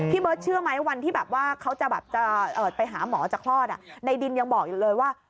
เบิร์ตเชื่อไหมวันที่แบบว่าเขาจะแบบจะไปหาหมอจะคลอดในดินยังบอกอยู่เลยว่า